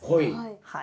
はい。